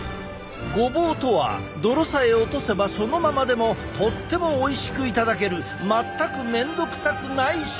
ごぼうとは泥さえ落とせばそのままでもとってもおいしく頂ける全く面倒くさくない食材だったのだ！